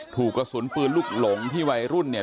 ถูกกระสุนปืนลูกหลงที่วัยรุ่นเนี่ย